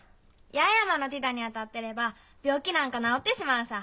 八重山の太陽に当たってれば病気なんか治ってしまうさ。